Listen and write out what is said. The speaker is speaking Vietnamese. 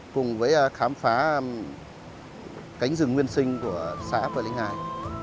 cùng với khám phá cánh rừng nguyên sinh của xã peli ngai